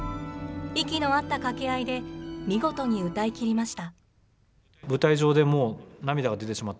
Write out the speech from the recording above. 息の合った掛け合いで見事に歌いきりました。